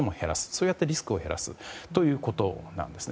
そうやってリスクを減らすということです。